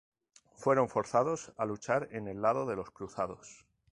Fueron forzados a luchar en el lado de los cruzados.